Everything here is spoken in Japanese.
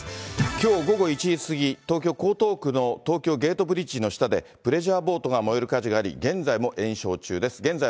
きょう午後１時過ぎ、東京・江東区の東京ゲートブリッジの下で、プレジャーボートが燃える火事があり、現在も延焼中です。